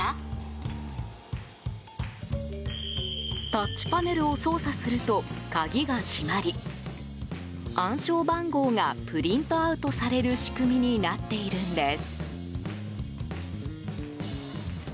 タッチパネルを操作すると鍵が閉まり暗証番号がプリントアウトされる仕組みになっているんです。